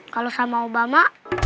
kalau sama obama